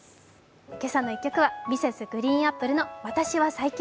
「けさの１曲」はＭｒｓ．ＧＲＥＥＮＡＰＰＬＥの「私は最強」。